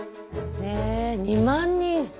え２万人。